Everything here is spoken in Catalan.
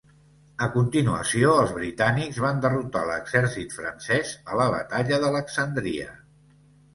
A continuació, els britànics van derrotar l'exèrcit francès a la batalla d'Alexandria.